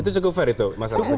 itu cukup fair itu masyarakat